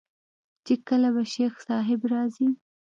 چې کله به شيخ صاحب راځي.